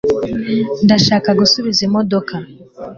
ndashaka gusubiza imodoka